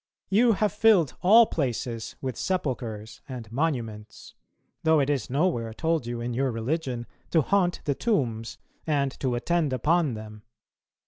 "You have filled all places with sepulchres and monuments, though it is nowhere told you in your religion to haunt the tombs and to attend upon them."